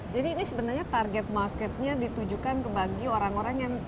jadi ini sebenarnya target marketnya ditujukan ke bagi orang lain